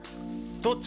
どっち？